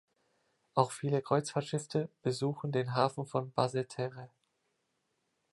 Auch viele Kreuzfahrtschiffe besuchen den Hafen von Basseterre.